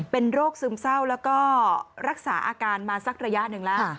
เป็นโรคซึมเศร้าแล้วก็รักษาอาการมาสักระยะหนึ่งแล้ว